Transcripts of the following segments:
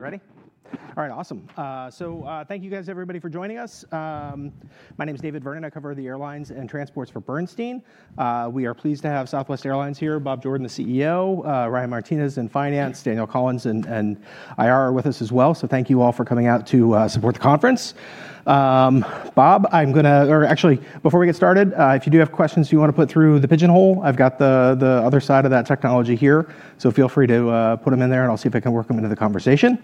Ready? All right, awesome. Thank you, guys, everybody for joining us. My name is David Vernon. I cover the airlines and transports for Bernstein. We are pleased to have Southwest Airlines here. Bob Jordan, the CEO, Ryan Martinez in finance, Danielle Collins in IR with us as well. Thank you all for coming out to support the conference. Bob, actually, before we get started, if you do have questions you want to put through the Pigeonhole, I've got the other side of that technology here. Feel free to put them in there and I'll see if I can work them into the conversation.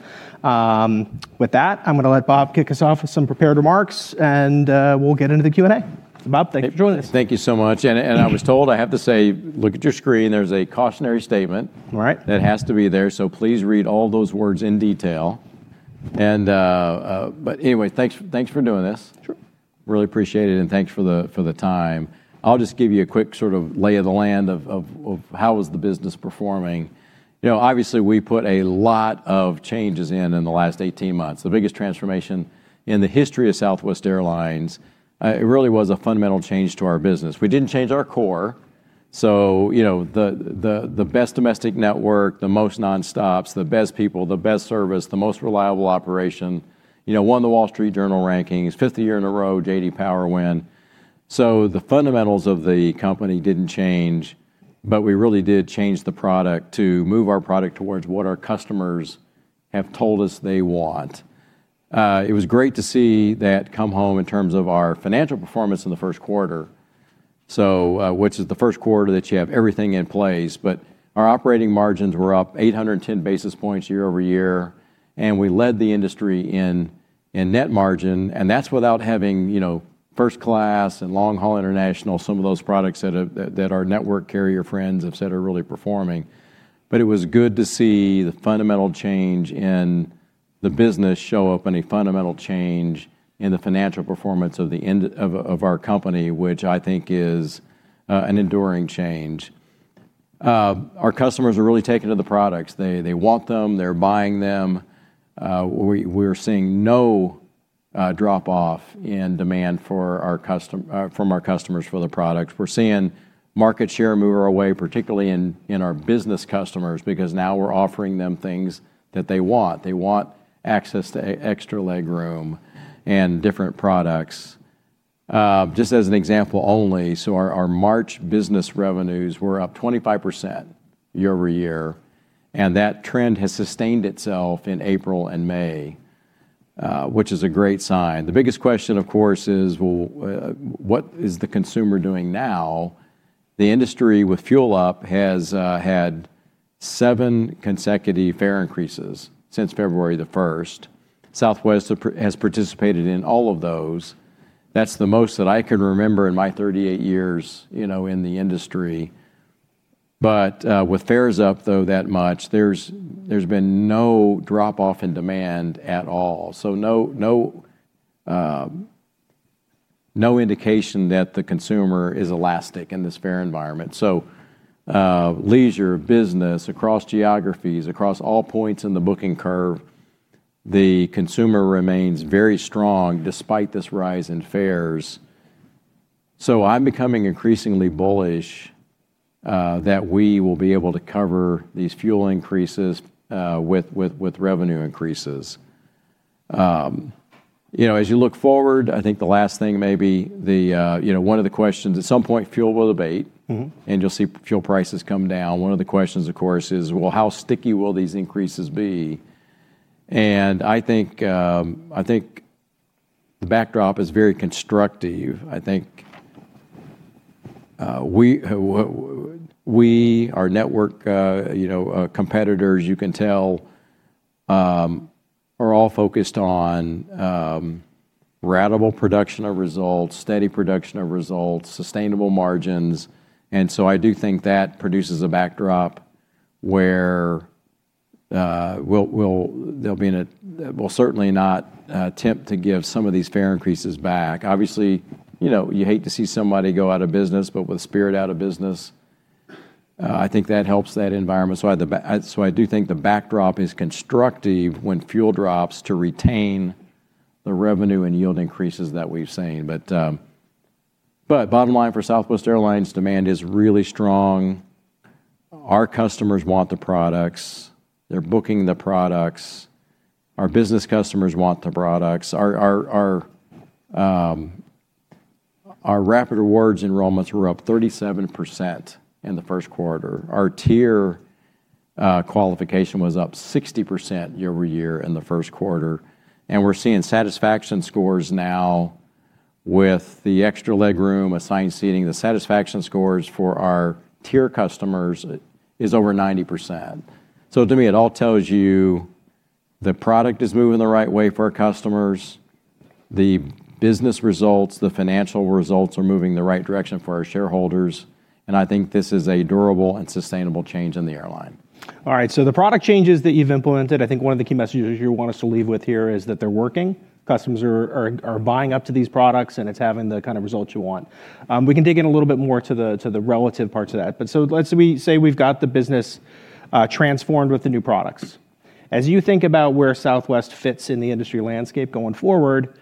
With that, I'm going to let Bob kick us off with some prepared remarks, and we'll get into the Q&A. Bob, thank you for joining us. Thank you so much. I was told, I have to say, look at your screen, there's a cautionary statement. Right It that has to be there. Please read all those words in detail. Anyway, thanks for doing this. Sure. Really appreciate it, thanks for the time. I'll just give you a quick sort of lay of the land of how is the business performing. Obviously, we put a lot of changes in in the last 18 months, the biggest transformation in the history of Southwest Airlines. It really was a fundamental change to our business. We didn't change our core. The best domestic network, the most non-stops, the best people, the best service, the most reliable operation. Won The Wall Street Journal rankings, fifth year in a row J.D. Power win. The fundamentals of the company didn't change, but we really did change the product to move our product towards what our customers have told us they want. It was great to see that come home in terms of our financial performance in the first quarter. Which is the first quarter that you have everything in place. Our operating margins were up 810 basis points year-over-year, and we led the industry in net margin, and that's without having first class and long-haul international, some of those products that our network carrier friends have said are really performing. It was good to see the fundamental change in the business show up and a fundamental change in the financial performance of our company, which I think is an enduring change. Our customers are really taking to the products. They want them. They're buying them. We're seeing no drop off in demand from our customers for the products. We're seeing market share move our way, particularly in our business customers, because now we're offering them things that they want. They want access to extra legroom and different products. Just as an example only, our March business revenues were up 25% year-over-year, and that trend has sustained itself in April and May, which is a great sign. The biggest question, of course, is what is the consumer doing now? The industry with fuel up has had seven consecutive fare increases since February the first. Southwest has participated in all of those. That's the most that I could remember in my 38 years in the industry. With fares up, though, that much, there's been no drop off in demand at all. No indication that the consumer is elastic in this fare environment. Leisure, business, across geographies, across all points in the booking curve, the consumer remains very strong despite this rise in fares. I'm becoming increasingly bullish that we will be able to cover these fuel increases with revenue increases. As you look forward, I think the last thing may be one of the questions, at some point, fuel will abate. You'll see fuel prices come down. One of the questions, of course, is how sticky will these increases be? I think the backdrop is very constructive. Our network competitors, you can tell, are all focused on ratable production of results, steady production of results, sustainable margins, I do think that produces a backdrop where we'll certainly not attempt to give some of these fare increases back. Obviously, you hate to see somebody go out of business, with Spirit out of business, I think that helps that environment. I do think the backdrop is constructive when fuel drops to retain the revenue and yield increases that we've seen. Bottom line for Southwest Airlines, demand is really strong. Our customers want the products. They're booking the products. Our business customers want the products. Our Rapid Rewards enrollments were up 37% in the first quarter. Our tier qualification was up 60% year-over-year in the first quarter, and we're seeing satisfaction scores now with the extra legroom, assigned seating. The satisfaction scores for our tier customers is over 90%. To me, it all tells you the product is moving the right way for our customers. The business results, the financial results are moving in the right direction for our shareholders, and I think this is a durable and sustainable change in the airline. All right. The product changes that you've implemented, I think one of the key messages you want us to leave with here is that they're working. Customers are buying up to these products, and it's having the kind of results you want. We can dig in a little bit more to the relative parts of that. Let's say we've got the business transformed with the new products. As you think about where Southwest fits in the industry landscape going forward.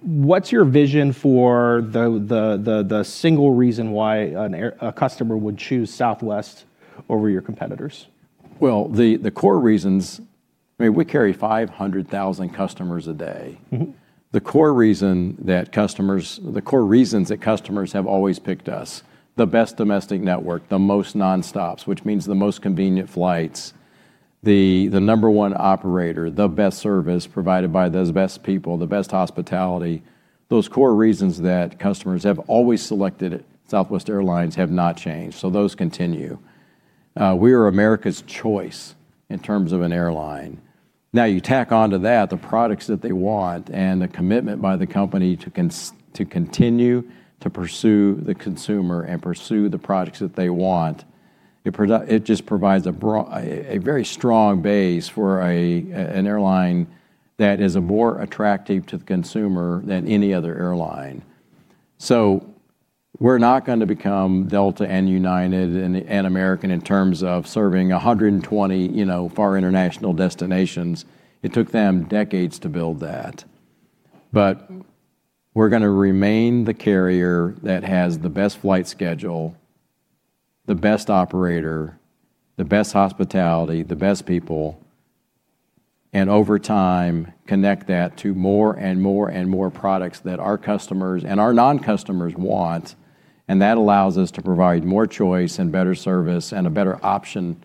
What's your vision for the single reason why a customer would choose Southwest over your competitors? Well, the core reasons, we carry 500,000 customers a day. The core reasons that customers have always picked us, the best domestic network, the most non-stops, which means the most convenient flights, the number one operator, the best service provided by those best people, the best hospitality. Those core reasons that customers have always selected Southwest Airlines have not changed, so those continue. We are America's choice in terms of an airline. You tack onto that the products that they want and the commitment by the company to continue to pursue the consumer and pursue the products that they want, it just provides a very strong base for an airline that is more attractive to the consumer than any other airline. We're not going to become Delta and United and American in terms of serving 120 far international destinations. It took them decades to build that. We're going to remain the carrier that has the best flight schedule, the best operator, the best hospitality, the best people, and over time, connect that to more and more and more products that our customers and our non-customers want. That allows us to provide more choice and better service and a better option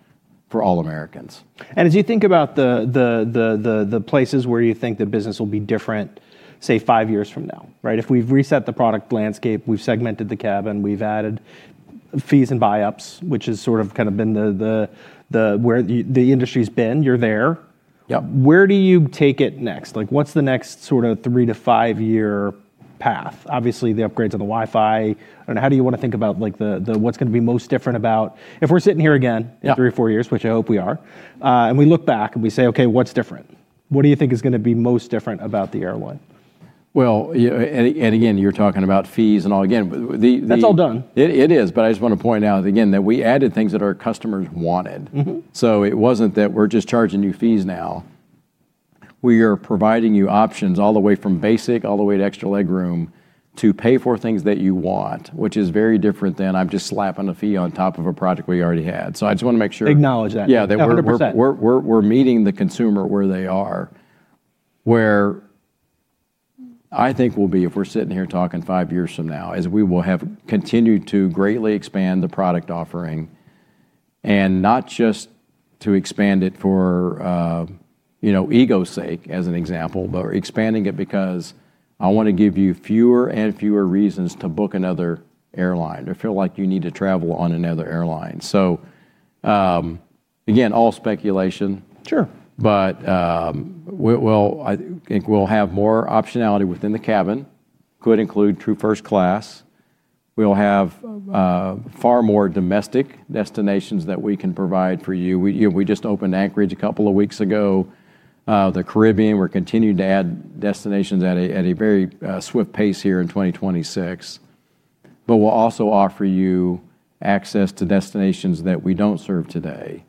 for all Americans. As you think about the places where you think the business will be different, say, five years from now, right? If we've reset the product landscape, we've segmented the cabin, we've added fees and buy-ups, which has sort of kind of been where the industry's been. You're there. Yep. Where do you take it next? What's the next sort of three-to-five-year path? Obviously, the upgrades on the Wi-Fi. I don't know, how do you want to think about what's going to be most different about if we're sitting here again in three or four years, which I hope we are, and we look back and we say, "Okay, what's different?" What do you think is going to be most different about the airline? Well, and again, you're talking about fees and all. Again. That's all done. It is, but I just want to point out, again, that we added things that our customers wanted. It wasn't that we're just charging you fees now. We are providing you options all the way from basic, all the way to extra legroom to pay for things that you want, which is very different than I'm just slapping a fee on top of a product we already had. I just want to make sure. Acknowledge that. Yeah. 100%. We're meeting the consumer where they are. Where I think we'll be if we're sitting here talking five years from now is we will have continued to greatly expand the product offering. Not just to expand it for ego's sake, as an example, but we're expanding it because I want to give you fewer and fewer reasons to book another airline or feel like you need to travel on another airline. Again, all speculation. Sure. We'll have more optionality within the cabin, could include true first class. We'll have far more domestic destinations that we can provide for you. We just opened Anchorage a couple of weeks ago. The Caribbean, we're continuing to add destinations at a very swift pace here in 2026. We'll also offer you access to destinations that we don't serve today.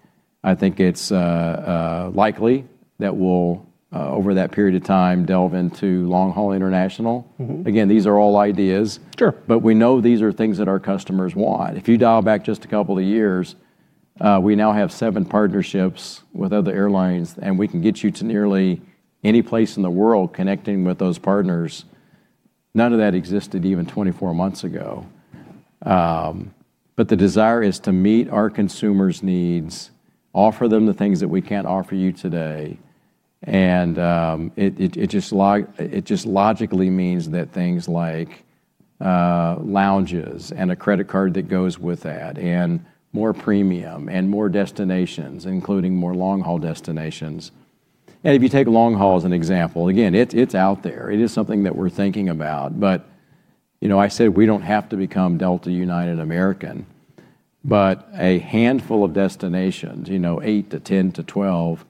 It's likely that we'll, over that period of time, delve into long-haul international. These are all ideas. Sure. We know these are things that our customers want. If you dial back just a couple of years, we now have seven partnerships with other airlines, and we can get you to nearly any place in the world connecting with those partners. None of that existed even 24 months ago. The desire is to meet our consumers' needs, offer them the things that we can't offer you today, and it just logically means that things like lounges and a credit card that goes with that and more premium and more destinations, including more long-haul destinations. If you take long haul as an example, again, it's out there. It is something that we're thinking about. I said we don't have to become Delta, United, American, but a handful of destinations, eight to 10 to 12,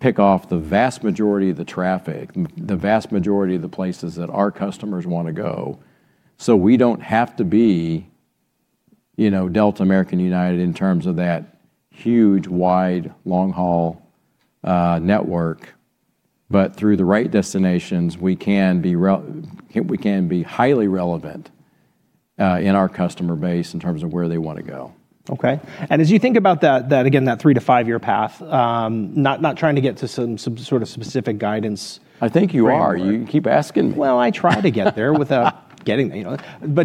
pick off the vast majority of the traffic, the vast majority of the places that our customers want to go. We don't have to be Delta, American, United in terms of that huge, wide, long-haul network. Through the right destinations, we can be highly relevant in our customer base in terms of where they want to go. Okay. As you think about, again, that three-to-five-year path, not trying to get to some sort of specific guidance. I think you are. You keep asking me. Well, I try to get there without getting there.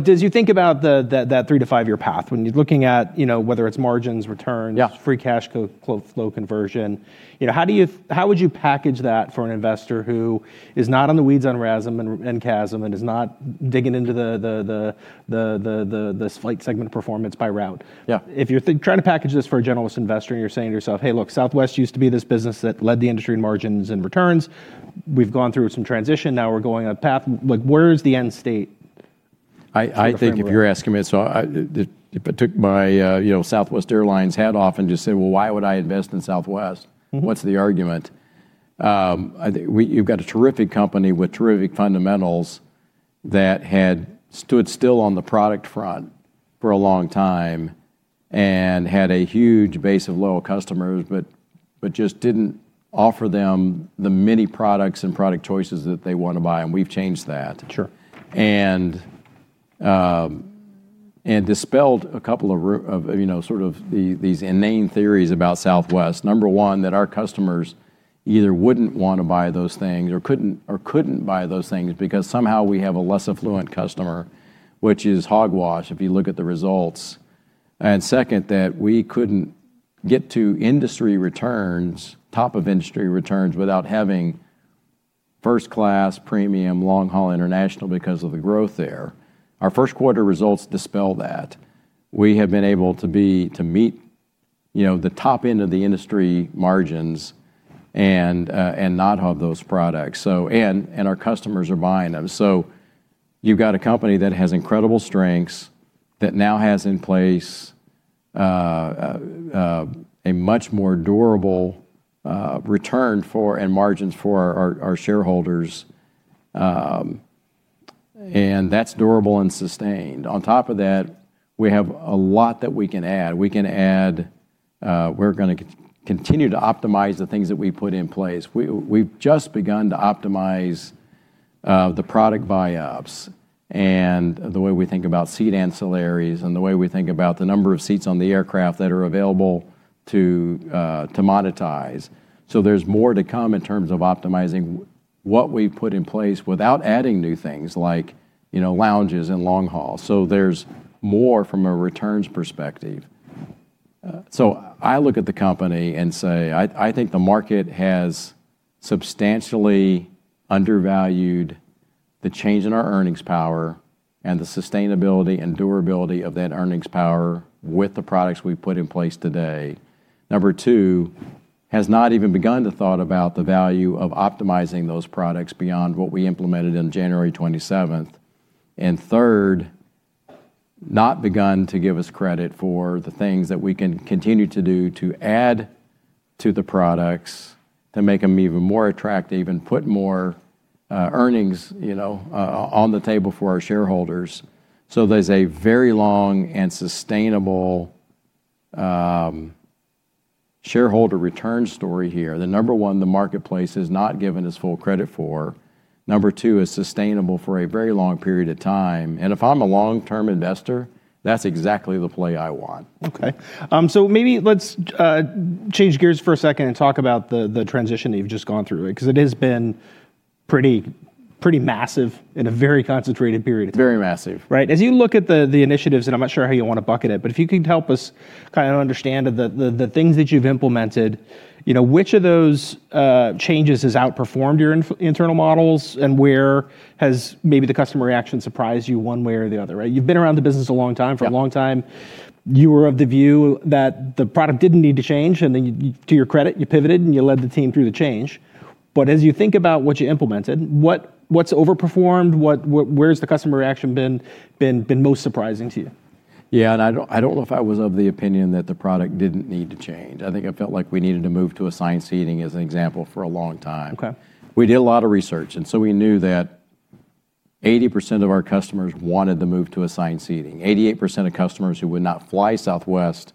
As you think about that three-to-five-year path, when you're looking at whether it's margins, returns, free cash flow conversion, how would you package that for an investor who is not on the weeds on RASM and CASM and is not digging into the flight segment performance by route? Yeah. If you're trying to package this for a generalist investor, and you're saying to yourself, "Hey, look, Southwest used to be this business that led the industry in margins and returns. We've gone through some transition. Now we're going on a path." Where is the end state? If you're asking me, if I took my Southwest Airlines hat off and just said, "Well, why would I invest in Southwest? What's the argument?" I think you've got a terrific company with terrific fundamentals that had stood still on the product front for a long time. Had a huge base of loyal customers, but just didn't offer them the many products and product choices that they want to buy, and we've changed that. Sure. Dispelled a couple of sort of these inane theories about Southwest. Number one, that our customers either wouldn't want to buy those things or couldn't buy those things because somehow we have a less affluent customer, which is hogwash if you look at the results. Second, that we couldn't get to top of industry returns without having first class premium long-haul international because of the growth there. Our first quarter results dispel that. We have been able to meet the top end of the industry margins and not have those products. Our customers are buying them. You've got a company that has incredible strengths, that now has in place a much more durable return for and margins for our shareholders, and that's durable and sustained. On top of that, we have a lot that we can add. We're going to continue to optimize the things that we put in place. We've just begun to optimize the product buy-ups and the way we think about seat ancillaries and the way we think about the number of seats on the aircraft that are available to monetize. There's more to come in terms of optimizing what we've put in place without adding new things like lounges and long haul. There's more from a returns perspective. I look at the company and say, I think the market has substantially undervalued the change in our earnings power and the sustainability and durability of that earnings power with the products we've put in place today. Number two, has not even begun to think about the value of optimizing those products beyond what we implemented on January 27th. Third, not begun to give us credit for the things that we can continue to do to add to the products to make them even more attractive and put more earnings on the table for our shareholders. There's a very long and sustainable shareholder return story here. The number one the marketplace has not given us full credit for, number two, is sustainable for a very long period of time. If I'm a long-term investor, that's exactly the play I want. Okay. Maybe let's change gears for a second and talk about the transition that you've just gone through. It has been pretty massive in a very concentrated period of time. Very massive. Right. As you look at the initiatives, and I'm not sure how you want to bucket it, but if you could help us kind of understand the things that you've implemented, which of those changes has outperformed your internal models, and where has maybe the customer reaction surprised you one way or the other, right? You've been around the business a long time. Yeah. For a long time, you were of the view that the product didn't need to change, then to your credit, you pivoted and you led the team through the change. As you think about what you implemented, what's overperformed? Where's the customer reaction been most surprising to you? Yeah, I don't know if I was of the opinion that the product didn't need to change. I think I felt like we needed to move to assigned seating, as an example, for a long time. Okay. We did a lot of research, we knew that 80% of our customers wanted the move to assigned seating. 88% of customers who would not fly Southwest,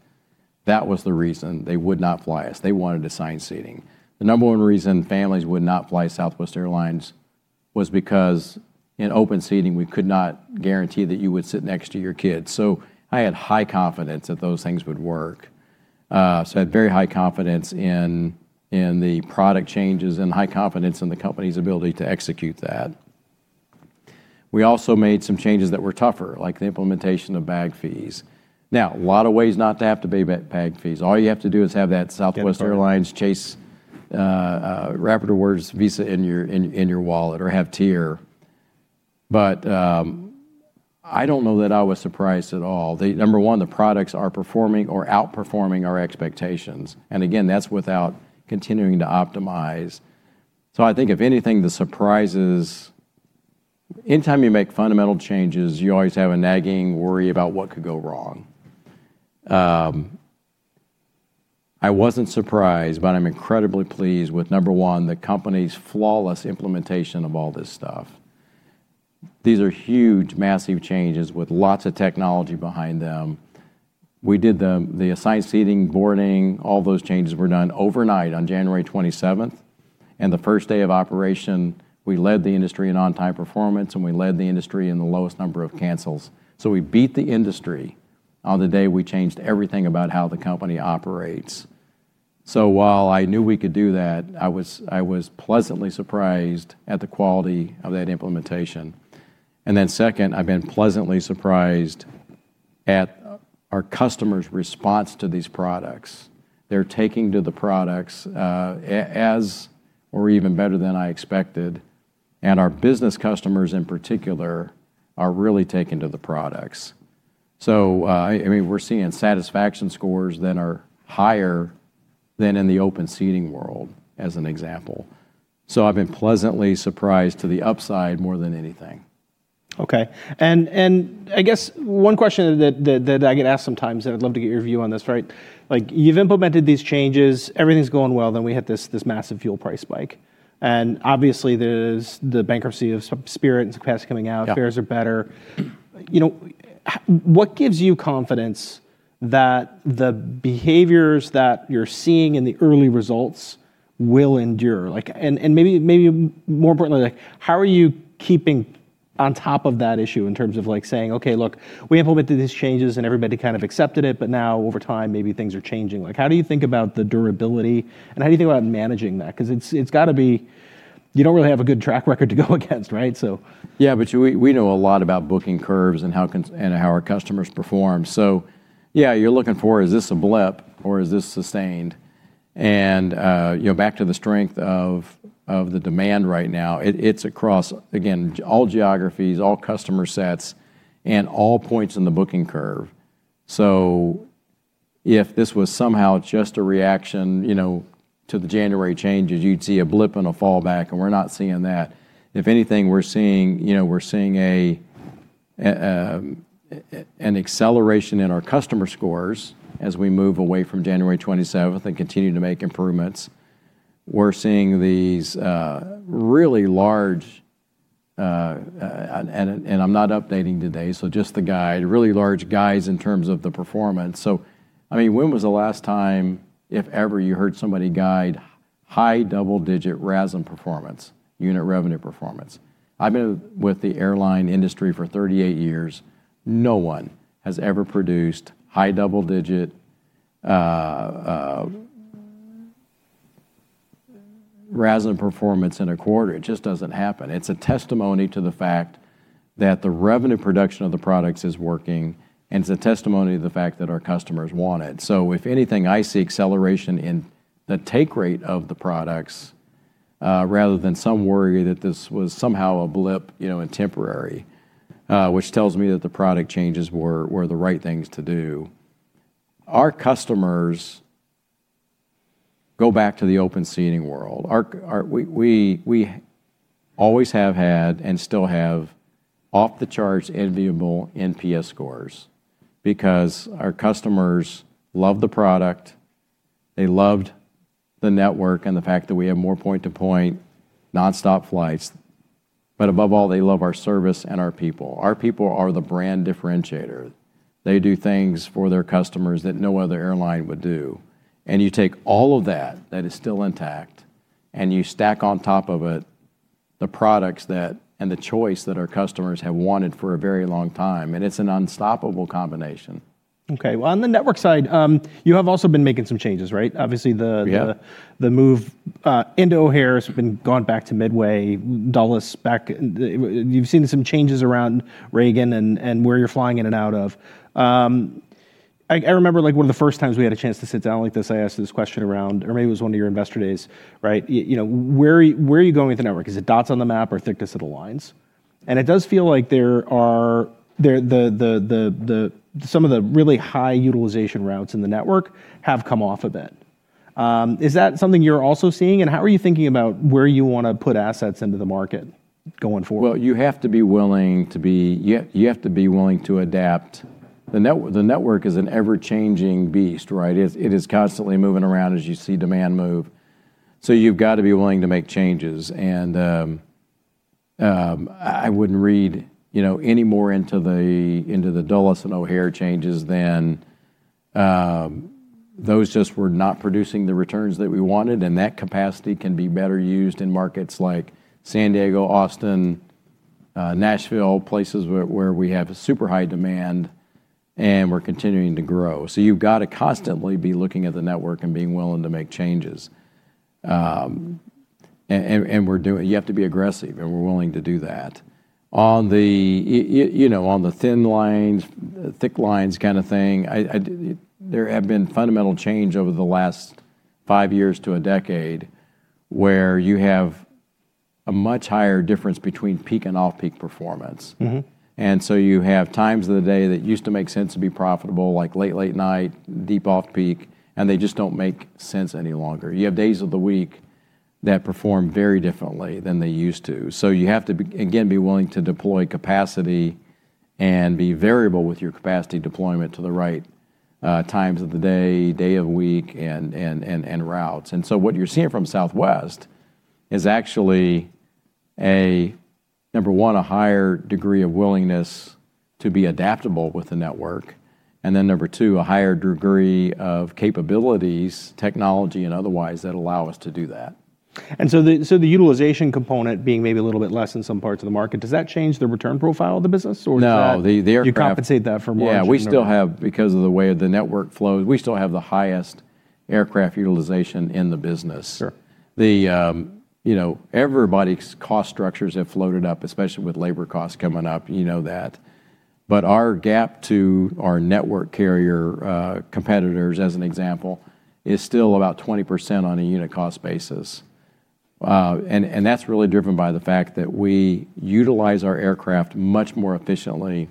that was the reason they would not fly us. They wanted assigned seating. The number one reason families would not fly Southwest Airlines was because in open seating, we could not guarantee that you would sit next to your kids. I had high confidence that those things would work. I had very high confidence in the product changes and high confidence in the company's ability to execute that. We also made some changes that were tougher, like the implementation of bag fees. Now, a lot of ways not to have to pay bag fees. All you have to do is have that Southwest Airlines Chase Rapid Rewards Visa in your wallet or have tier. I don't know that I was surprised at all. Number one, the products are performing or outperforming our expectations. Again, that's without continuing to optimize. I think if anything, the surprises, anytime you make fundamental changes, you always have a nagging worry about what could go wrong. I wasn't surprised, but I'm incredibly pleased with, number one, the company's flawless implementation of all this stuff. These are huge, massive changes with lots of technology behind them. We did the assigned seating, boarding, all those changes were done overnight on January 27th. The first day of operation, we led the industry in on-time performance, and we led the industry in the lowest number of cancels. We beat the industry on the day we changed everything about how the company operates. While I knew we could do that, I was pleasantly surprised at the quality of that implementation. Second, I've been pleasantly surprised at our customers' response to these products. They're taking to the products as or even better than I expected, and our business customers in particular are really taking to the products. We're seeing satisfaction scores that are higher than in the open seating world, as an example. I've been pleasantly surprised to the upside more than anything. Okay. One question that I get asked sometimes, and I'd love to get your view on this, right? You've implemented these changes, everything's going well, then we hit this massive fuel price spike. Obviously, there's the bankruptcy of Spirit and capacity coming out. Yeah. Fares are better. What gives you confidence that the behaviors that you're seeing in the early results will endure? Maybe more importantly, how are you keeping on top of that issue in terms of saying, "Okay, look, we implemented these changes and everybody kind of accepted it, but now over time, maybe things are changing." How do you think about the durability and how do you think about managing that? Because you don't really have a good track record to go against, right? Yeah, we know a lot about booking curves and how our customers perform. Yeah, you're looking for, is this a blip or is this sustained? Back to the strength of the demand right now, it's across, again, all geographies, all customer sets, and all points in the booking curve. If this was somehow just a reaction to the January changes, you'd see a blip and a fallback, and we're not seeing that. If anything, we're seeing an acceleration in our customer scores as we move away from January 27th and continue to make improvements. We're seeing these really large, and I'm not updating today, so just the guide, really large guides in terms of the performance. When was the last time, if ever, you heard somebody guide high double-digit RASM performance, unit revenue performance? I've been with the airline industry for 38 years. No one has ever produced high double-digit RASM performance in a quarter. It just doesn't happen. It's a testimony to the fact that the revenue production of the products is working, and it's a testimony to the fact that our customers want it. If anything, I see acceleration in the take rate of the products, rather than some worry that this was somehow a blip and temporary, which tells me that the product changes were the right things to do. Our customers go back to the open seating world. We always have had and still have off-the-charts enviable NPS scores because our customers love the product, they loved the network, and the fact that we have more point-to-point nonstop flights. Above all, they love our service and our people. Our people are the brand differentiator. They do things for their customers that no other airline would do. You take all of that is still intact, and you stack on top of it the products that, and the choice that our customers have wanted for a very long time, and it's an unstoppable combination. Okay. Well, on the network side, you have also been making some changes, right? Yeah. Obviously the move into O'Hare has been gone back to Midway, Dulles. You've seen some changes around Reagan and where you're flying in and out of. I remember one of the first times we had a chance to sit down like this, I asked this question around, or maybe it was one of your investor days. Where are you going with the network? Is it dots on the map or thickness of the lines? It does feel like some of the really high utilization routes in the network have come off a bit. Is that something you're also seeing, and how are you thinking about where you want to put assets into the market going forward? Well, you have to be willing to adapt. The network is an ever-changing beast, right? It is constantly moving around as you see demand move. You've got to be willing to make changes. I wouldn't read any more into the Dulles and O'Hare changes than those just were not producing the returns that we wanted, and that capacity can be better used in markets like San Diego, Austin, Nashville, places where we have super high demand and we're continuing to grow. You've got to constantly be looking at the network and being willing to make changes. You have to be aggressive, and we're willing to do that. On the thin lines, thick lines kind of thing, there have been fundamental change over the last five years to a decade where you have a much higher difference between peak and off-peak performance. You have times of the day that used to make sense to be profitable, like late-late night, deep off-peak, and they just don't make sense any longer. You have days of the week that perform very differently than they used to. You have to, again, be willing to deploy capacity and be variable with your capacity deployment to the right times of the day of week, and routes. What you're seeing from Southwest is actually, number one, a higher degree of willingness to be adaptable with the network. Number two, a higher degree of capabilities, technology, and otherwise, that allow us to do that. The utilization component being maybe a little bit less in some parts of the market, does that change the return profile of the business? Or do you compensate that? Yeah. We still have, because of the way the network flows, we still have the highest aircraft utilization in the business. Sure. Everybody's cost structures have floated up, especially with labor costs coming up, you know that. Our gap to our network carrier competitors, as an example, is still about 20% on a unit cost basis. That's really driven by the fact that we utilize our aircraft much more efficiently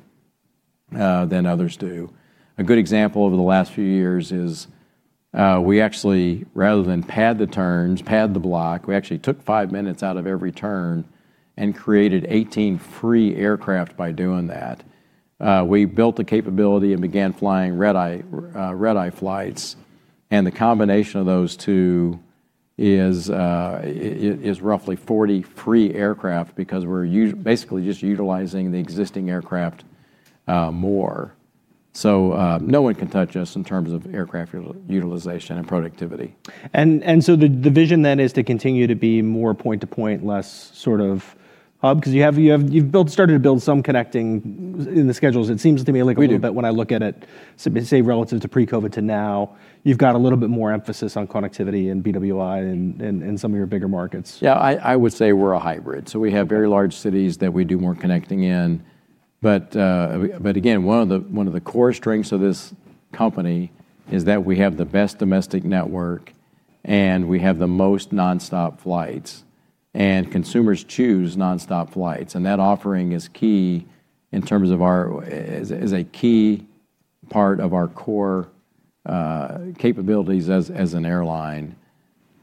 than others do. A good example over the last few years is we actually, rather than pad the turns, pad the block, we actually took five minutes out of every turn and created 18 free aircraft by doing that. We built the capability and began flying red-eye flights. The combination of those two is roughly 40 free aircraft because we're basically just utilizing the existing aircraft more. No one can touch us in terms of aircraft utilization and productivity. The vision then is to continue to be more point to point, less hub, because you've started to build some connecting in the schedules. It seems to me like a little bit when I look at it, say relative to pre-COVID to now, you've got a little bit more emphasis on connectivity in BWI and in some of your bigger markets. Yeah, I would say we're a hybrid, so we have very large cities that we do more connecting in. Again, one of the core strengths of this company is that we have the best domestic network, and we have the most nonstop flights, and consumers choose nonstop flights. That offering is a key part of our core capabilities as an airline.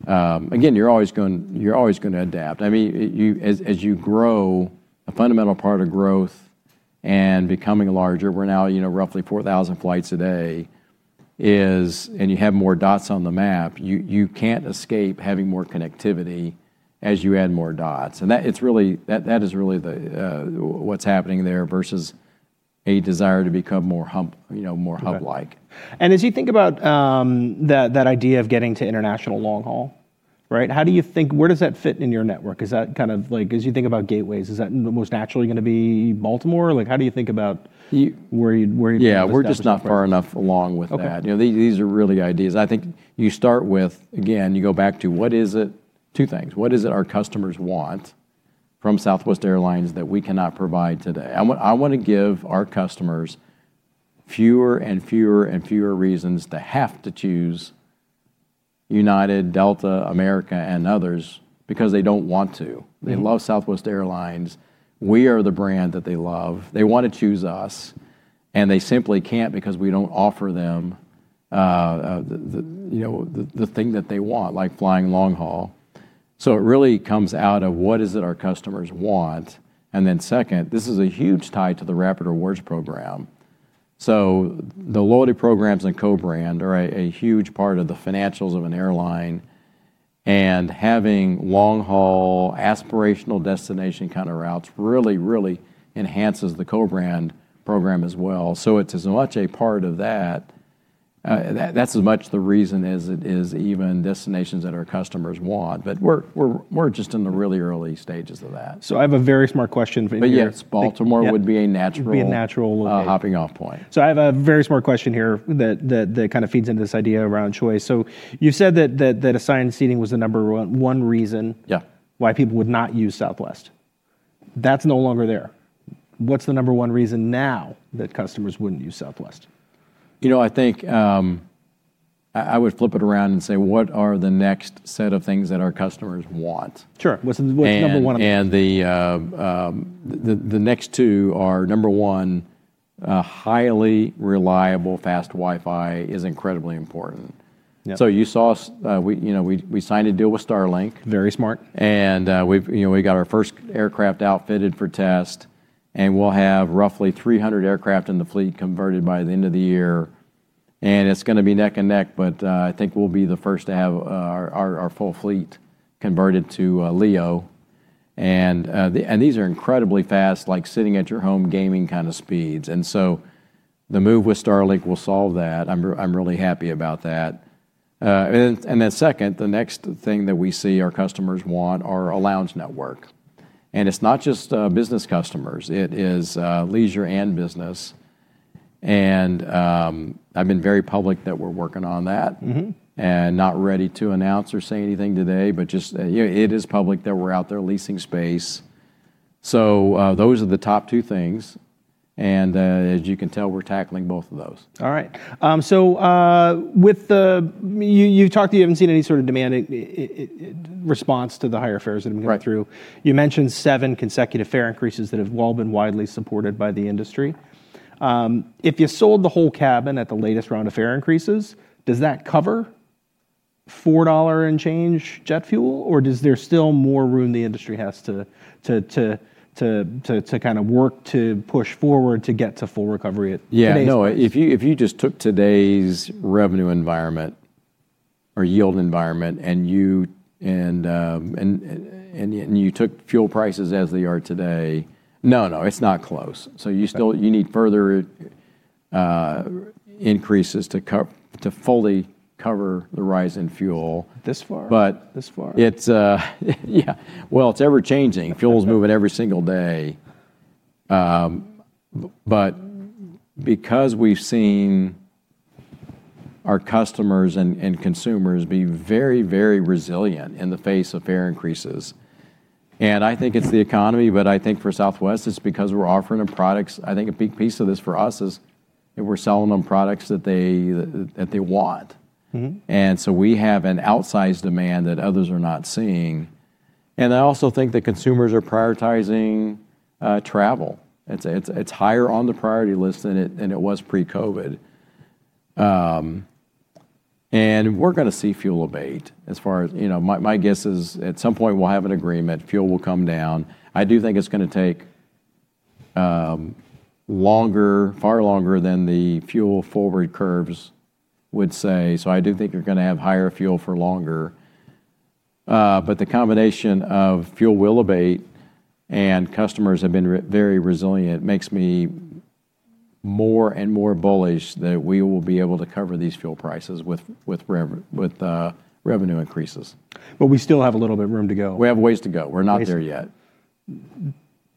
Again, you're always going to adapt. As you grow, a fundamental part of growth and becoming larger, we're now roughly 4,000 flights a day, and you have more dots on the map. You can't escape having more connectivity as you add more dots. That is really what's happening there versus a desire to become more hub-like. As you think about that idea of getting to international long haul, where does that fit in your network? Is that kind of like, as you think about gateways, is that most naturally going to be Baltimore? Yeah, we're just not far enough along with that. Okay. These are really ideas. I think you start with, again, you go back to two things. What is it our customers want from Southwest Airlines that we cannot provide today? I want to give our customers fewer and fewer and fewer reasons to have to choose United, Delta, American, and others because they don't want to. They love Southwest Airlines. We are the brand that they love. They want to choose us, and they simply can't because we don't offer them the thing that they want, like flying long haul. It really comes out of what is it our customers want, and then second, this is a huge tie to the Rapid Rewards program. The loyalty programs and co-brand are a huge part of the financials of an airline, and having long haul, aspirational destination kind of routes really, really enhances the co-brand program as well. It's as much a part of that. That's as much the reason as it is even destinations that our customers want. We're just in the really early stages of that. I have a very smart question for you. Yes, Baltimore would be a natural. Would be a natural location. Hopping off point. I have a very smart question here that kind of feeds into this idea around choice. You've said that assigned seating was the number one reason why people would not use Southwest. That's no longer there. What's the number one reason now that customers wouldn't use Southwest? I would flip it around and say, what are the next set of things that our customers want? Sure. What's number one? The next two are, number one, highly reliable, fast Wi-Fi is incredibly important. Yeah. You saw, we signed a deal with Starlink. Very smart. We got our first aircraft outfitted for test, we'll have roughly 300 aircraft in the fleet converted by the end of the year. It's going to be neck and neck, but I think we'll be the first to have our full fleet converted to LEO. These are incredibly fast, like sitting at your home gaming kind of speeds. The move with Starlink will solve that. I'm really happy about that. Second, the next thing that we see our customers want are a lounge network. It's not just business customers, it is leisure and business. I've been very public that we're working on that. Not ready to announce or say anything today, but just it is public that we're out there leasing space. Those are the top two things. As you can tell, we're tackling both of those. All right. You talked that you haven't seen any sort of demand response to the higher fares that have been going through. Right. You mentioned seven consecutive fare increases that have well been widely supported by the industry. If you sold the whole cabin at the latest round of fare increases, does that cover $4 and change jet fuel, or is there still more room the industry has to kind of work to push forward to get to full recovery at today's price? Yeah. No, if you just took today's revenue environment or yield environment and you took fuel prices as they are today, no, it's not close. You need further increases to fully cover the rise in fuel. This far. But- This far. Yeah. Well, it's ever-changing. Fuel's moving every single day. Because we've seen our customers and consumers be very resilient in the face of fare increases, and I think it's the economy, but I think for Southwest, it's because we're offering them products. I think a big piece of this for us is that we're selling them products that they want. We have an outsized demand that others are not seeing. I also think that consumers are prioritizing travel. It's higher on the priority list than it was pre-COVID. We're going to see fuel abate, my guess is at some point, we'll have an agreement, fuel will come down. I do think it's going to take longer, far longer than the fuel-forward curves would say. I do think you're going to have higher fuel for longer. The combination of fuel will abate and customers have been very resilient makes me more and more bullish that we will be able to cover these fuel prices with revenue increases. We still have a little bit of room to go. We have ways to go. We're not there yet.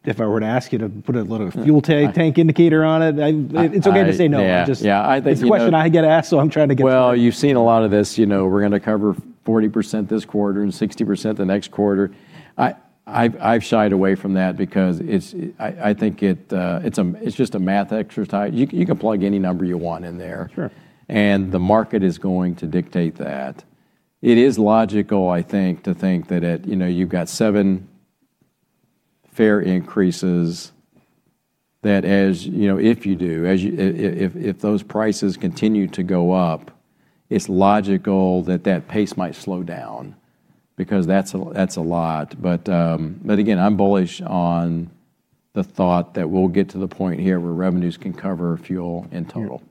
If I were to ask you to put a little fuel tank indicator on it's okay to say no. Yeah. It's a question I get asked, so I'm trying to get to there. Well, you've seen a lot of this. We're going to cover 40% this quarter and 60% the next quarter. I've shied away from that because I think it's just a math exercise. You can plug any number you want in there. Sure. The market is going to dictate that. It is logical, to think that you've got seven fare increases, that if you do, if those prices continue to go up, it's logical that that pace might slow down, because that's a lot. Again, I'm bullish on the thought that we'll get to the point here where revenues can cover fuel in total.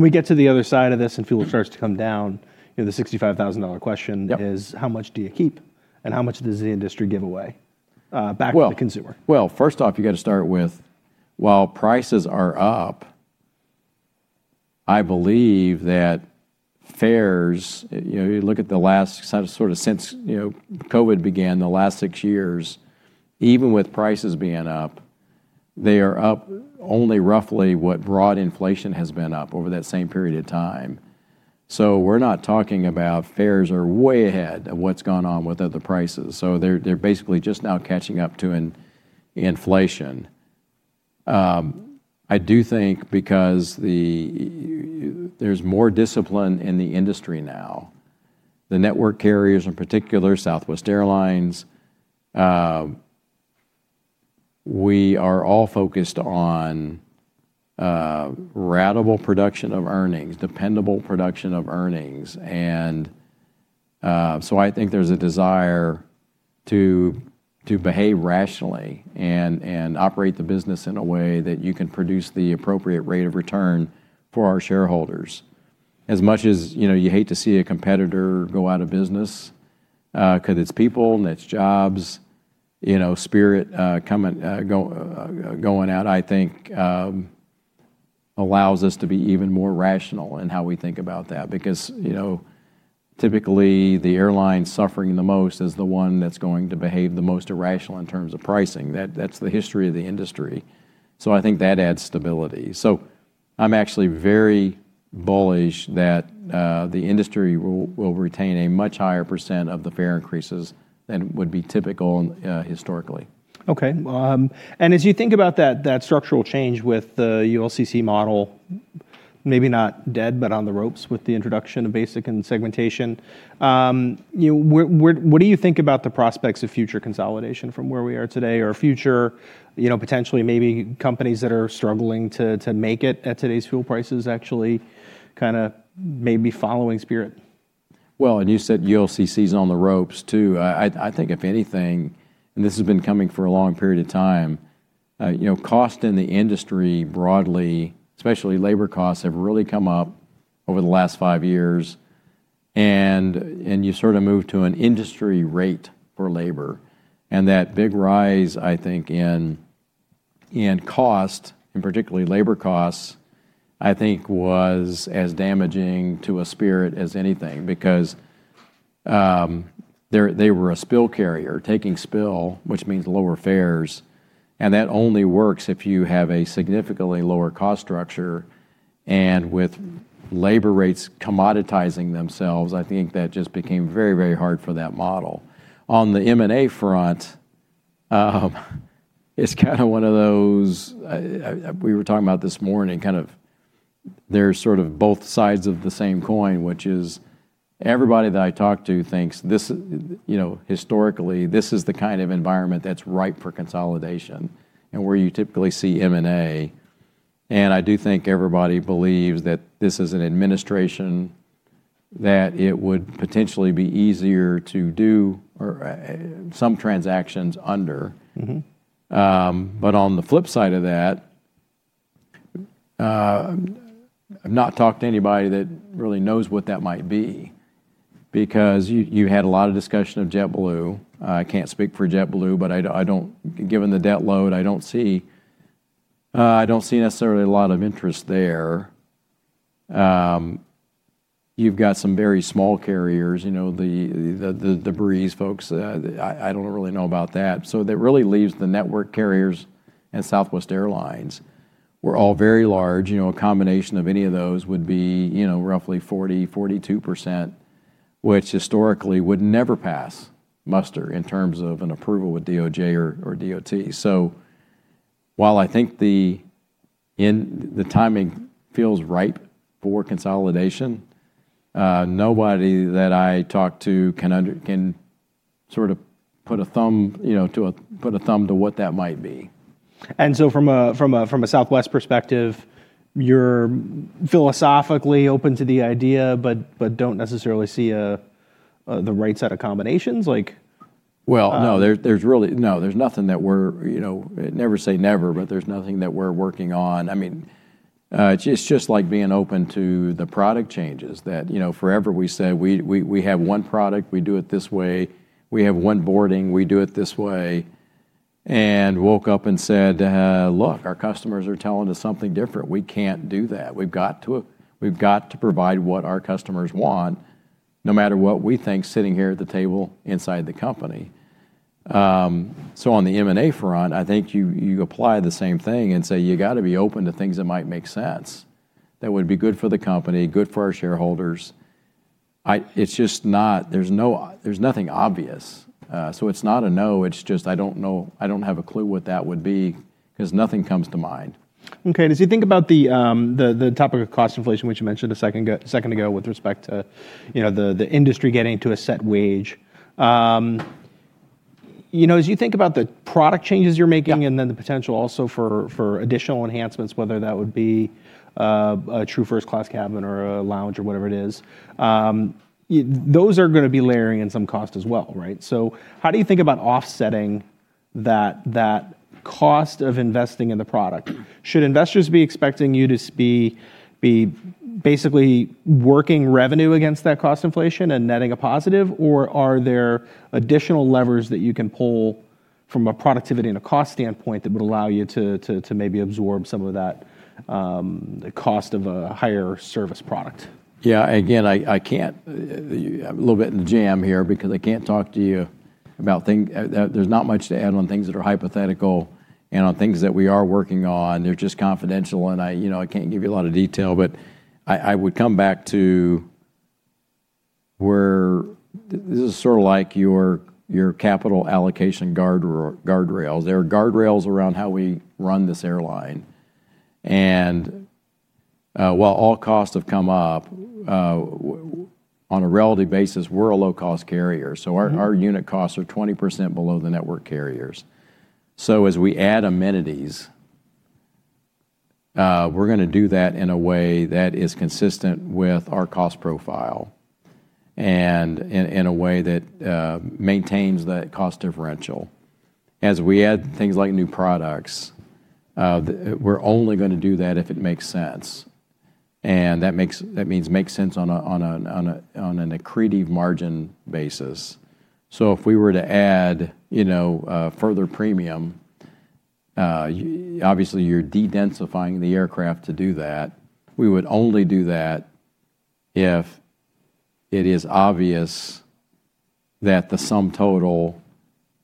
We get to the other side of this and fuel starts to come down. The $65,000 question is, how much do you keep and how much does the industry give away back to the consumer? First off, you got to start with while prices are up, I believe that fares, you look at the last sort of since COVID began, the last six years, even with prices being up, they are up only roughly what broad inflation has been up over that same period of time. We're not talking about fares are way ahead of what's gone on with other prices. They're basically just now catching up to inflation. I do think because there's more discipline in the industry now, the network carriers in particular, Southwest Airlines, we are all focused on ratable production of earnings, dependable production of earnings. I think there's a desire to behave rationally and operate the business in a way that you can produce the appropriate rate of return for our shareholders. As much as you hate to see a competitor go out of business because it's people and it's jobs, Spirit going out, I think allows us to be even more rational in how we think about that. Because typically, the airline suffering the most is the one that's going to behave the most irrational in terms of pricing. That's the history of the industry. I think that adds stability. I'm actually very bullish that the industry will retain a much higher percent of the fare increases than would be typical historically. Okay. As you think about that structural change with the ULCC model, maybe not dead, but on the ropes with the introduction of basic and segmentation. What do you think about the prospects of future consolidation from where we are today or future, potentially maybe companies that are struggling to make it at today's fuel prices actually maybe following Spirit? You said ULCC is on the ropes, too. I think if anything, and this has been coming for a long period of time, cost in the industry broadly, especially labor costs, have really come up over the last five years and you sort of move to an industry rate for labor. That big rise in cost, and particularly labor costs, I think was as damaging to a Spirit as anything because they were a spill carrier, taking spill, which means lower fares. That only works if you have a significantly lower cost structure. With labor rates commoditizing themselves, I think that just became very hard for that model. On the M&A front, it's kind of one of those, we were talking about this morning, they're sort of both sides of the same coin, which is everybody that I talk to thinks historically, this is the kind of environment that's ripe for consolidation and where you typically see M&A. I do think everybody believes that this is an administration that it would potentially be easier to do some transactions under. On the flip side of that, I've not talked to anybody that really knows what that might be, because you had a lot of discussion of JetBlue. I can't speak for JetBlue, but given the debt load, I don't see necessarily a lot of interest there. You've got some very small carriers, the Breeze folks. I don't really know about that. That really leaves the network carriers and Southwest Airlines, who are all very large. A combination of any of those would be roughly 40%-42%, which historically would never pass muster in terms of an approval with DOJ or DOT. While I think the timing feels ripe for consolidation, nobody that I talk to can sort of put a thumb to what that might be. From a Southwest perspective, you're philosophically open to the idea, but don't necessarily see the right set of combinations? Well, no. Never say never, but there's nothing that we're working on. It's just like being open to the product changes that forever we say, "We have one product. We do it this way. We have one boarding. We do it this way." Woke up and said, "Look, our customers are telling us something different. We can't do that. We've got to provide what our customers want, no matter what we think sitting here at the table inside the company." On the M&A front, I think you apply the same thing and say you've got to be open to things that might make sense, that would be good for the company, good for our shareholders. There's nothing obvious. It's not a no, it's just I don't have a clue what that would be because nothing comes to mind. As you think about the topic of cost inflation, which you mentioned a second ago with respect to the industry getting to a set wage. As you think about the product changes you're making. Yeah The potential also for additional enhancements, whether that would be a true first-class cabin or a lounge or whatever it is. Those are going to be layering in some cost as well, right? How do you think about offsetting that cost of investing in the product? Should investors be expecting you to be basically working revenue against that cost inflation and netting a positive, or are there additional levers that you can pull from a productivity and a cost standpoint that would allow you to maybe absorb some of that cost of a higher service product? Yeah. Again, I'm a little bit in a jam here because I can't talk to you about things. There's not much to add on things that are hypothetical and on things that we are working on. They're just confidential, and I can't give you a lot of detail. I would come back to where this is sort of like your capital allocation guardrails. There are guardrails around how we run this airline. While all costs have come up, on a relative basis, we're a low-cost carrier. Our unit costs are 20% below the network carriers. As we add amenities, we're going to do that in a way that is consistent with our cost profile and in a way that maintains that cost differential. As we add things like new products, we'r e only going to do that if it makes sense, and that means makes sense on an accretive margin basis. If we were to add further premium, obviously you're de-densifying the aircraft to do that. We would only do that if it is obvious that the sum total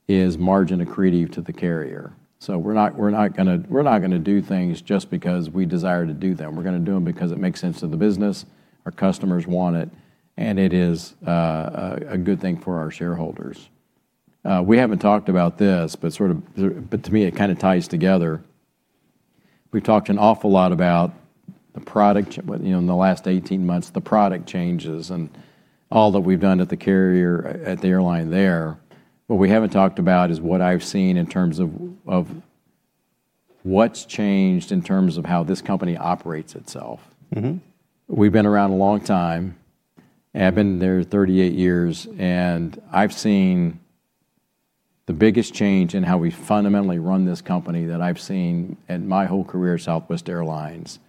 is margin accretive to the carrier. We're not going to do things just because we desire to do them. We're going to do them because it makes sense to the business, our customers want it, and it is a good thing for our shareholders. We haven't talked about this, but to me it kind of ties together. We've talked an awful lot about, in the last 18 months, the product changes and all that we've done at the carrier, at the airline there. What we haven't talked about is what I've seen in terms of what's changed in terms of how this company operates itself. We've been around a long time. I've been there 38 years, and I've seen the biggest change in how we fundamentally run this company that I've seen in my whole career at Southwest Airlines.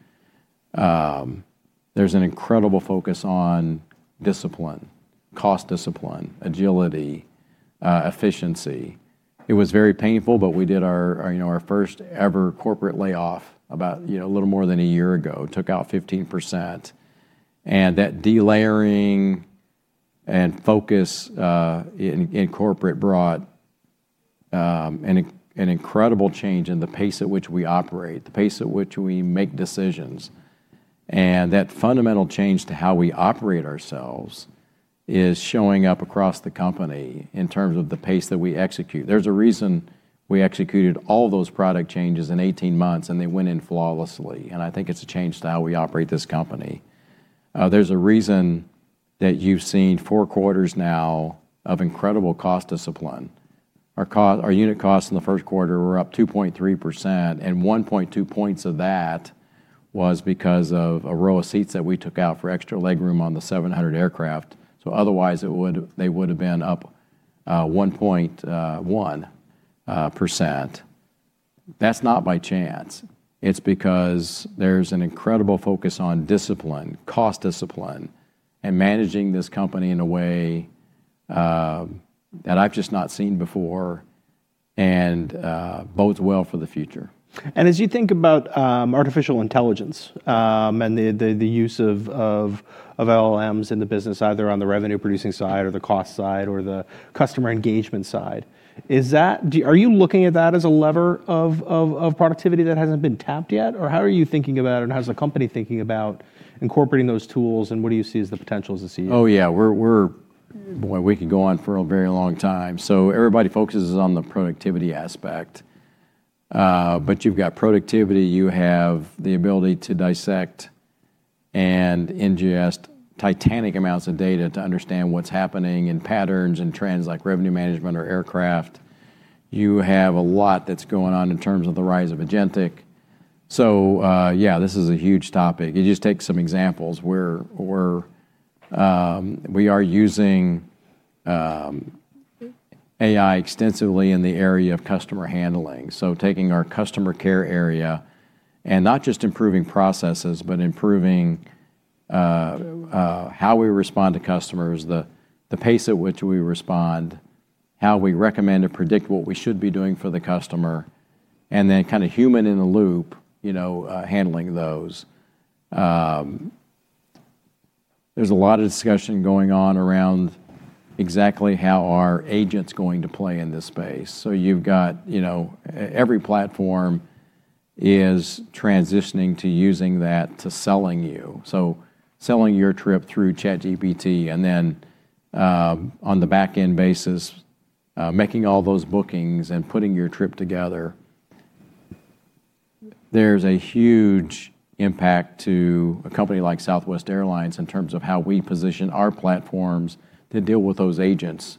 There's an incredible focus on discipline, cost discipline, agility, efficiency. It was very painful, but we did our first ever corporate layoff about a little more than a year ago. Took out 15%. That de-layering and focus in corporate brought an incredible change in the pace at which we operate, the pace at which we make decisions. That fundamental change to how we operate ourselves is showing up across the company in terms of the pace that we execute. There's a reason we executed all those product changes in 18 months, and they went in flawlessly, and I think it's a change to how we operate this company. There's a reason that you've seen four quarters now of incredible cost discipline. Our unit costs in the first quarter were up 2.3%, and 1.2 points of that was because of a row of seats that we took out for extra legroom on the 700 aircraft. Otherwise, they would have been up 1.1%. That's not by chance. It's because there's an incredible focus on discipline, cost discipline, and managing this company in a way that I've just not seen before and bodes well for the future. As you think about artificial intelligence, and the use of LLMs in the business, either on the revenue-producing side or the cost side or the customer engagement side, are you looking at that as a lever of productivity that hasn't been tapped yet? Or how are you thinking about it, and how's the company thinking about incorporating those tools, and what do you see as the potential as the CEO? Oh, yeah. We could go on for a very long time. Everybody focuses on the productivity aspect. You've got productivity. You have the ability to dissect and ingest titanic amounts of data to understand what's happening and patterns and trends like revenue management or aircraft. You have a lot that's going on in terms of the rise of agentic. Yeah, this is a huge topic. You just take some examples where we are using AI extensively in the area of customer handling. Taking our customer care area and not just improving processes, but improving how we respond to customers, the pace at which we respond, how we recommend and predict what we should be doing for the customer, and then kind of human in the loop, handling those. There's a lot of discussion going on around exactly how are agents going to play in this space. You've got every platform is transitioning to using that to selling you. Selling your trip through ChatGPT, and then on the backend basis, making all those bookings and putting your trip together. There's a huge impact to a company like Southwest Airlines in terms of how we position our platforms to deal with those agents,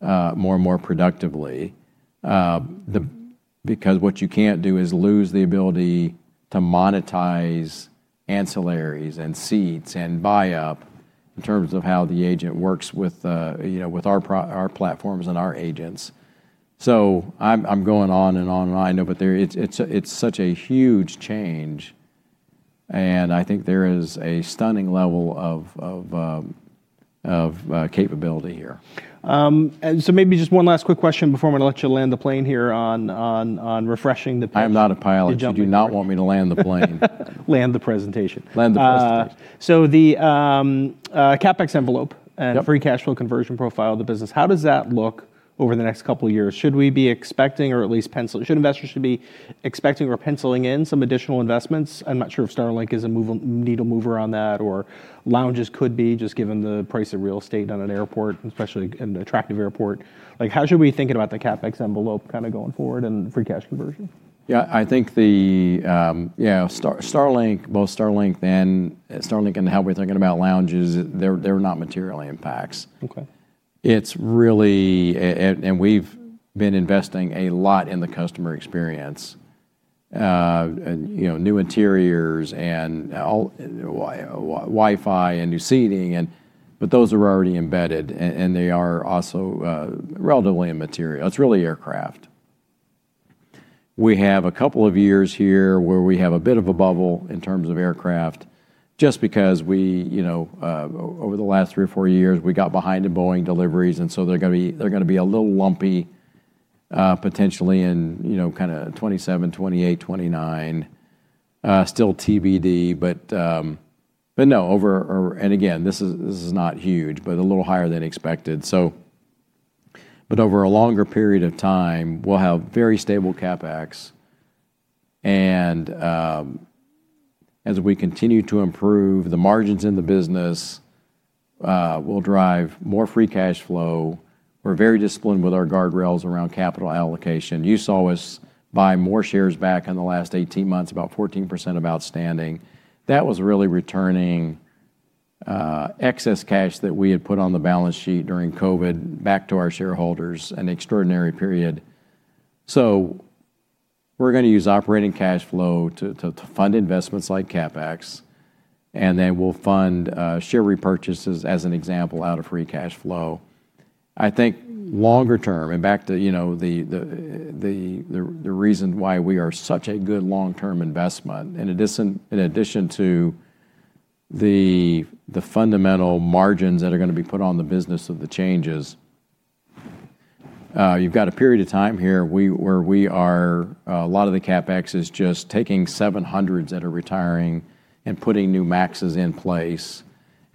more and more productively. What you can't do is lose the ability to monetize ancillaries and seats and buy-up in terms of how the agent works with our platforms and our agents. I'm going on and on, I know, but it's such a huge change, and I think there is a stunning level of capability here. Maybe just one last quick question before I'm going to let you land the plane here on refreshing. I'm not a pilot. Then jump in here. You do not want me to land the plane. Land the presentation. Land the presentation. The CapEx envelope and free cash flow conversion profile of the business, how does that look over the next couple of years? Should investors be expecting or penciling in some additional investments? I'm not sure if Starlink is a needle mover on that or lounges could be, just given the price of real estate on an airport, especially an attractive airport. How should we be thinking about the CapEx envelope going forward and free cash conversion? Yeah, I think both Starlink and how we're thinking about lounges, they're not material impacts. Okay. We've been investing a lot in the customer experience. New interiors and Wi-Fi and new seating, but those are already embedded, and they are also relatively immaterial. It's really aircraft. We have a couple of years here where we have a bit of a bubble in terms of aircraft just because over the last three or four years, we got behind in Boeing deliveries, they're going to be a little lumpy, potentially in 2027, 2028, 2029. Still TBD, but no, and again, this is not huge, but a little higher than expected. Over a longer period of time, we'll have very stable CapEx. As we continue to improve the margins in the business, we'll drive more free cash flow. We're very disciplined with our guardrails around capital allocation. You saw us buy more shares back in the last 18 months, about 14% of outstanding. That was really returning excess cash that we had put on the balance sheet during COVID back to our shareholders, an extraordinary period. We're going to use operating cash flow to fund investments like CapEx, and then we'll fund share repurchases, as an example, out of free cash flow. I think longer term, and back to the reason why we are such a good long-term investment, in addition to the fundamental margins that are going to be put on the business of the changes, you've got a period of time here where a lot of the CapEx is just taking 700s that are retiring and putting new MAXs in place,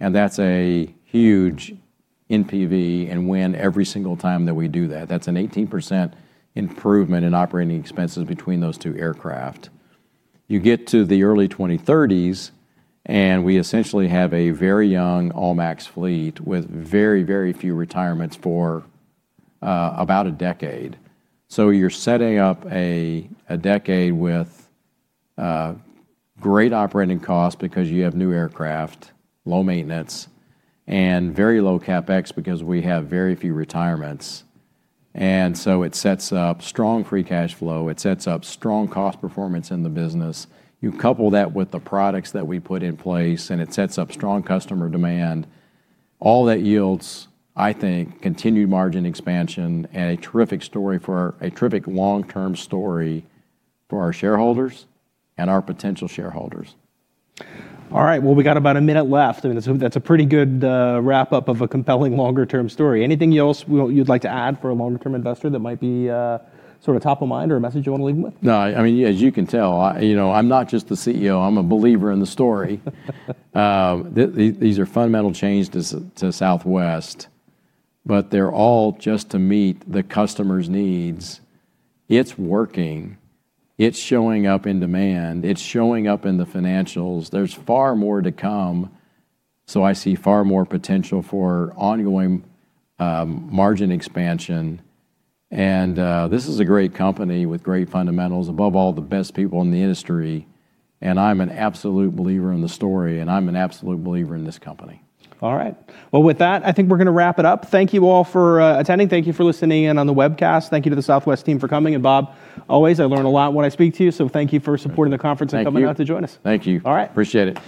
and that's a huge NPV and win every single time that we do that. That's an 18% improvement in operating expenses between those two aircraft. You get to the early 2030s, we essentially have a very young all-MAX fleet with very few retirements for about a decade. You're setting up a decade with great operating costs because you have new aircraft, low maintenance, and very low CapEx because we have very few retirements. It sets up strong free cash flow. It sets up strong cost performance in the business. You couple that with the products that we put in place, and it sets up strong customer demand. All that yields, I think, continued margin expansion and a terrific long-term story for our shareholders and our potential shareholders. All right, well, we got about one minute left. I mean, that's a pretty good wrap-up of a compelling longer-term story. Anything else you'd like to add for a longer-term investor that might be sort of top of mind or a message you want to leave them with? No, I mean, as you can tell, I'm not just the CEO. I'm a believer in the story. These are fundamental changes to Southwest, but they're all just to meet the customer's needs. It's working. It's showing up in demand. It's showing up in the financials. There's far more to come, so I see far more potential for ongoing margin expansion and this is a great company with great fundamentals. Above all, the best people in the industry, and I'm an absolute believer in the story, and I'm an absolute believer in this company. All right. Well, with that, I think we're going to wrap it up. Thank you all for attending. Thank you for listening in on the webcast. Thank you to the Southwest team for coming. Bob, as always, I learn a lot when I speak to you, so thank you for supporting the conference. Thank you. Coming out to join us. Thank you. All right. Appreciate it.